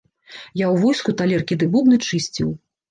Я ў войску талеркі ды бубны чысціў.